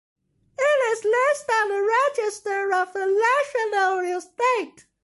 It is listed on the Register of the National Estate.